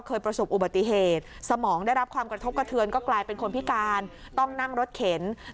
เคยประสบอุบัติเหตุสมองได้รับความกระทบกระเทือน